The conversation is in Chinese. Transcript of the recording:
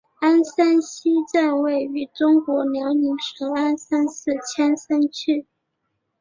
鞍山西站位于中国辽宁省鞍山市千山区。